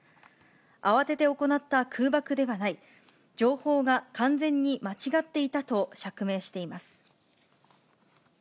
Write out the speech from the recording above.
慌てて行った空爆ではない、情報が完全に間違っていたと釈明しています。